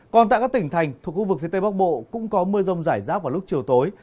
còn tại các tỉnh thành thuộc khu vực phía tây bắc bộ cũng có mưa rông rải rác vào lúc chiều tối